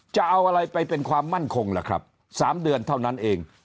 จะเอาอะไรไปเป็นความมั่นคงล่ะครับ๓เดือนเท่านั้นเอง